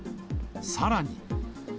さらに。